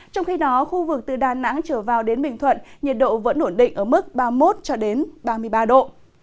trong khi đó khu vực từ đà nẵng trở vào đến bình thuận nhiệt độ vẫn ổn định ở mức ba mươi một ba mươi ba độ